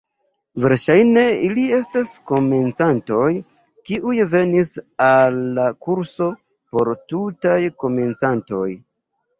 Verŝajne ili estas komencantoj, kiuj venis al la kurso por tutaj komencantoj.